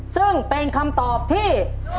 ซึ่งเป็นคำตอบที่